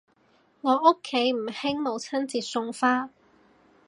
我屋企唔興母親節送花